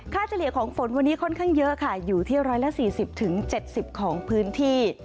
เฉลี่ยของฝนวันนี้ค่อนข้างเยอะค่ะอยู่ที่๑๔๐๗๐ของพื้นที่